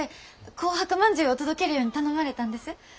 紅白まんじゅうを届けるように頼まれたんです。